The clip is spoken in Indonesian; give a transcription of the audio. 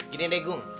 gini deh gung